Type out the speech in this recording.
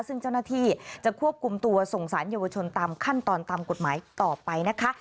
ซึ่งเจ้าหน้าที่จะควบคุมตัวส่งสารเยาวชนตามขั้นตอนตามกฎหมายต่อไปนะคะ